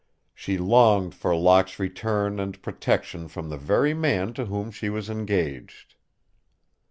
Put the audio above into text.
She longed for Locke's return and protection from the very man to whom she was engaged.